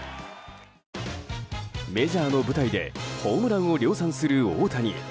メジャーの舞台でホームランを量産する大谷。